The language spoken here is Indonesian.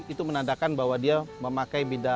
itu menandakan bahwa dia memakai bida putih